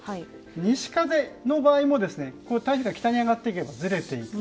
西風の場合も台風が北に上がっていけばずれていく。